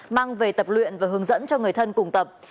mang về tập luyện và hướng dẫn cho người thân cùng tập